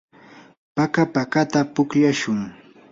paka pakata pukllashun.